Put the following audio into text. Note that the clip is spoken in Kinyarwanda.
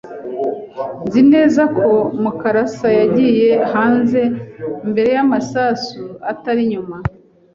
Nzi neza ko Mukarasa yagiye hanze mbere y’amasasu, atari nyuma.